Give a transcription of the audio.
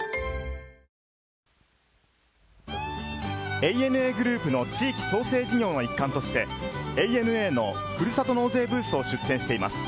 ＡＮＡグループの地域創生事業の一環として、ＡＮＡのふるさと納税ブースを出展しています。